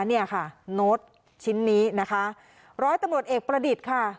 เนี่ยค่ะโน้ตชิ้นนี้นะคะร้อยตำรวจเอกประดิษฐ์ค่ะ